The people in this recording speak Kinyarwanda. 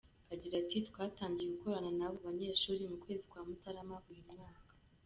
Agira ati “Twatangiye gukorana n’abo banyeshuri mu kwezi kwa Mutarama uyu mwaka.